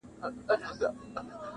جهاني چي پکښي ستایي مرکې د شمله ورو-